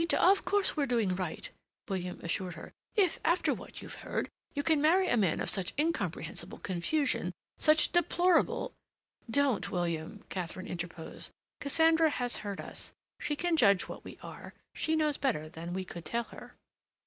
"Right—of course we're doing right," William answered her, "if, after what you've heard, you can marry a man of such incomprehensible confusion, such deplorable—" "Don't, William," Katharine interposed; "Cassandra has heard us; she can judge what we are; she knows better than we could tell her."